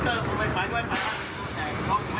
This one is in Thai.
หนูจะกลับรถหนูจะกลับเพชรชบูรณ์